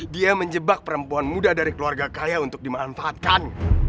dia menjebak perempuan muda dari keluarga kaya untuk dimanfaatkan